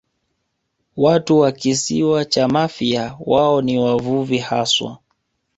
Watu wa Kisiwa cha Mafia wao ni wavuvi haswa